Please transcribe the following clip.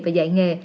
và dạy nghề